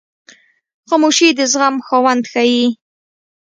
خاموشي، د زغم خاوند ښیي.